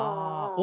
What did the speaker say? お？